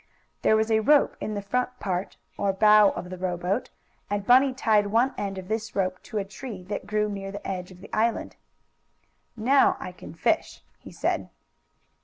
There was a rope in the front part, or bow of the rowboat, and Bunny tied one end of this rope to a tree that grew near the edge of the island. "Now I can fish," he said.